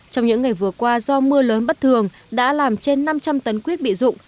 trong những ngày vừa qua do mưa lớn bất thường đã làm trên năm trăm linh tấn quyết bị dụng